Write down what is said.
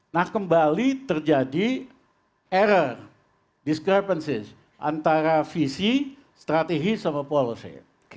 nah kembali terjadi error discrepancies antara visi strategi sama policy